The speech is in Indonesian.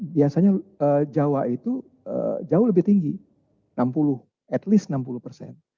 biasanya jawa itu jauh lebih tinggi enam puluh at least enam puluh persen